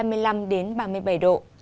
nhiệt độ từ hai mươi năm ba mươi bảy độ